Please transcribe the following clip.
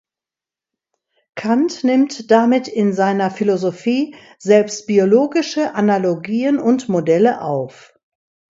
Kant nimmt damit in seiner Philosophie selbst biologische Analogien und Modelle auf.